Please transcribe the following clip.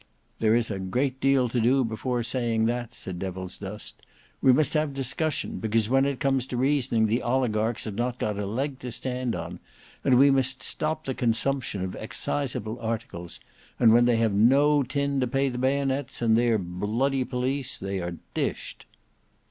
"There is a great deal to do before saying that," said Devilsdust. "We must have discussion, because when it comes to reasoning, the oligarchs have not got a leg to stand on; and we must stop the consumption of exciseable articles, and when they have no tin to pay the bayonets and their b—y police, they are dished."